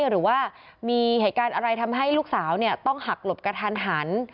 หรือว่ามีเหตุการณ์อะไรทำให้ลูกสาวต้องหักหลบกระทันหัน